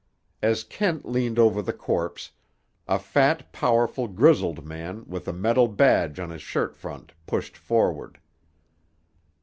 As Kent leaned over the corpse, a fat, powerful, grizzled man with a metal badge on his shirt front pushed forward.